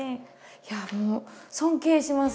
いやもう尊敬します。